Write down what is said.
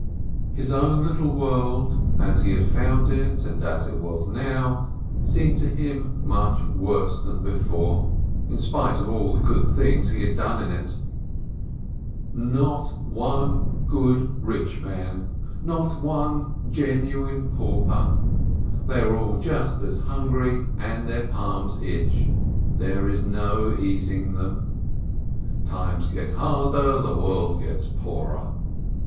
His own little world, as he had found it and as it was now, seemed to him much worse than before, in spite of all the good things he had done in it. 330 PINSKI Not one good rich man! Not one genuine pauper! They are all just as hungry and their palms itch — there is no easing them. Times get harder, the world gets poorer.